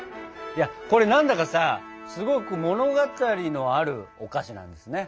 いやこれ何だかさすごく物語のあるお菓子なんですね。